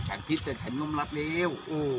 ฉันผิดฉันมมรับเลว